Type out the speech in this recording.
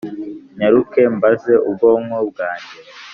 Nyaruke mbaze ubwonko bwange